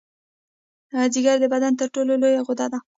ځیګر د بدن تر ټولو لویه غده ده